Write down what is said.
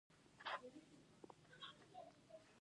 ریاضي ولې د علومو مور ده؟